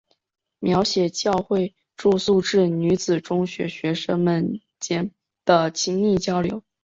描写教会住宿制女子中学学生们间的亲密交流。